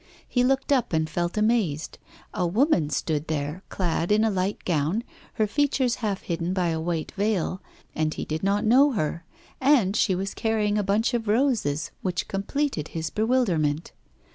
He looked up, and felt amazed; a woman stood there clad in a light gown, her features half hidden by a white veil, and he did not know her, and she was carrying a bunch of roses, which completed his bewilderment.